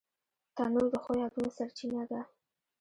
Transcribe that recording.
تنور د ښو یادونو سرچینه ده